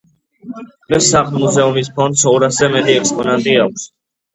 დღეს სახლ-მუზეუმის ფონდს ორასზე მეტი ექსპონატი აქვს.